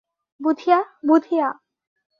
Budhia, Budhia!